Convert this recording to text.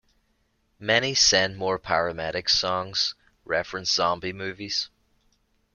Many Send More Paramedics songs reference zombie movies.